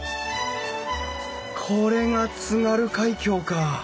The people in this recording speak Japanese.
これが津軽海峡か！